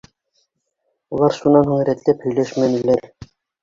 Улар шунан һуң рәтләп һөйләшмәнеләр.